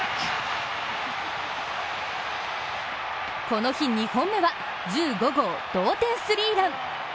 この日２本目は、１５号同点スリーラン。